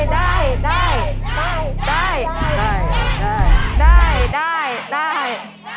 ได้